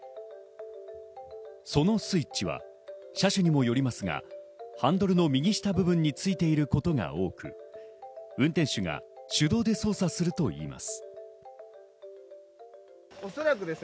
そのスイッチは車種にもよりますが、ハンドルの右下部分についていることが多く、運転手が手動で操作するといいます。